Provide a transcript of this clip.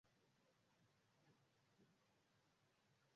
Ĉi-kaze la elirnodo povis tute hazarde esti tiu en la servilo de Bogatov.